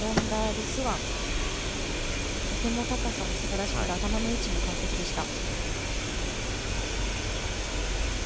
とても高さもすばらしくて頭の位置も完璧でした。